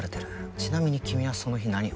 ちなみに君はその日何を？